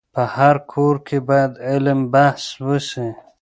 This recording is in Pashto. په هر کور کي باید علم بحث وسي.